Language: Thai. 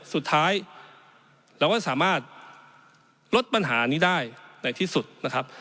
สุดท้ายเราก็สามารถลดปัญหานี้ได้ในที่สุดนะครับ